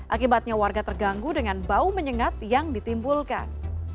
akibatnya warga terganggu dengan bau menyengat yang ditimbulkan